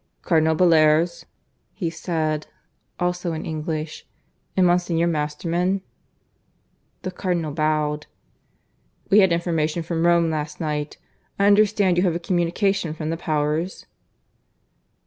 "Cardinal Bellairs?" he said, also in English. "And Monsignor Masterman?" The Cardinal bowed. "We had information from Rome last night. I understand you have a communication from the Powers?"